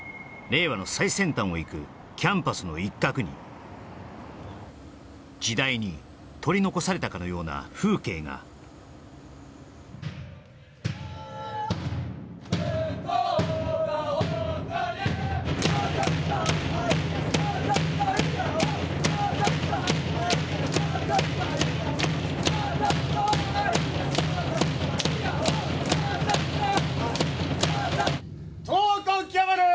令和の最先端をいくキャンパスの一角に時代に取り残されたかのような風景が闘魂極まる